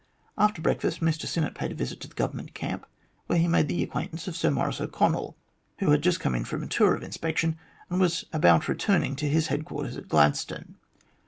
After breakfast Mr Sinnett paid a visit to the Government Camp, where he made the acquaintance of ,Sir Maurice O'Connell, who had just .come in from a tour of inspection, and was about returning to his headquarters at Gladstone.